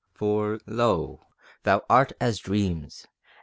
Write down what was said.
For, lo, thou art as dreams.